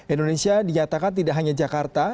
indonesia dinyatakan tidak hanya jakarta